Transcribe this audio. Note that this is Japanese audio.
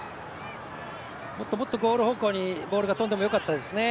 もっともっとゴール方向にボールが飛んでもよかったですね